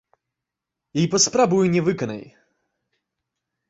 І паспрабуй не выканай!